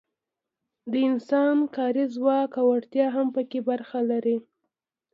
د انسان کاري ځواک او وړتیا هم پکې برخه لري.